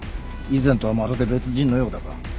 以前とはまるで別人のようだが。